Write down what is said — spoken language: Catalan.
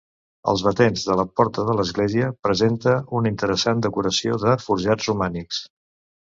Els batents de la porta de l'església presenta una interessant decoració de forjats romànics.